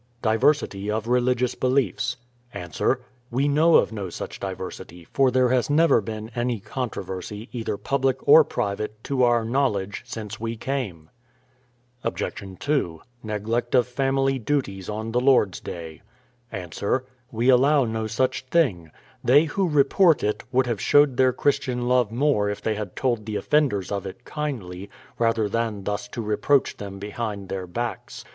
Diversity of religious beliefs. Ans: We know of no such diversity, for there has never been ♦This was John Oldham, and his like. 1S8 BRADFORD'S HISTORY OF any controversy, either puMic or private, to our knowledge, since we came. Obj. 2. Neglect of family duties on the Lord's day. Ans: We allow no such thing. They who report it, would have showed their Christian love more if they had told the offenders of it kindly, rather than thus to reproach tlicm behind their backs.